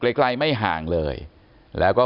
ไกลไม่ห่างเลยแล้วก็